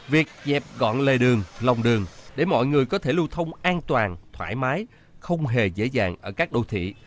việc dẹp gọn lề đường lòng đường để mọi người có thể lưu thông an toàn thoải mái không hề dễ dàng ở các đô thị